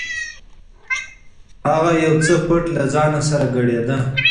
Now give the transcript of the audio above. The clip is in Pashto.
هغه یو څه پټ له ځانه سره ګړېده.